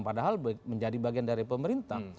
padahal menjadi bagian dari pemerintah